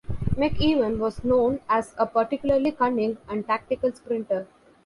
McEwen was known as a particularly cunning and tactical sprinter.